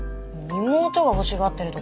妹が欲しがってるとか何とか。